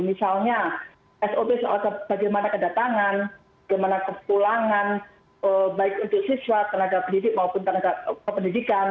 misalnya sop soal bagaimana kedatangan bagaimana kepulangan baik untuk siswa tenaga pendidik maupun tenaga pendidikan